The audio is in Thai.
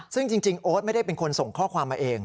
ซึ่งจริงโอ๊ตไม่ได้เป็นคนส่งข้อความมาเอง